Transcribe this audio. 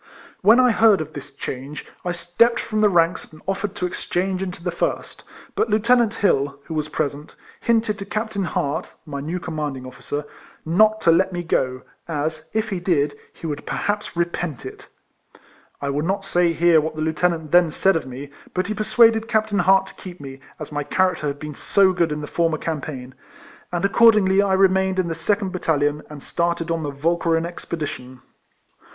When I heard of this change, I stepped from the ranks and offered to exchange into the first, but Lieu tenant Hill, who was present, hinted to Cap tain Hart (my new commanding officer) not to let me go, as, if he did, he would perhaps repent it. I will not say here what the Lieutenant then said of me, but he persuaded Captain Hart to keep me, as my character had been so good in the former campaign ; and accordingly I remained in the second battalion, and started on the Walcheren expedition.